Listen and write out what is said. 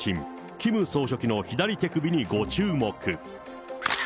キム総書記の左手首にご注目。